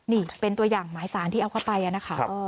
นี่เป็นตัวอย่างหมายสารที่เอาเข้าไปนะคะ